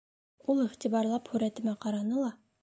Ул иғтибарлап һүрәтемә ҡараны ла: